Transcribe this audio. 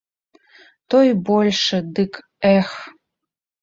Той большы, дык, эх!